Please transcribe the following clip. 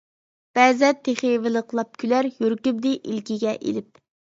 بەزەن تېخى ۋىلىقلاپ كۈلەر، يۈرىكىمنى ئىلكىگە ئېلىپ.